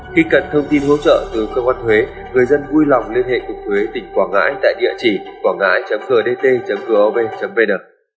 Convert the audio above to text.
khi cần thông tin hỗ trợ từ cơ quan thuế người dân vui lòng liên hệ cục thuế tỉnh quảng ngãi tại địa chỉ quảngngai gdt gob vn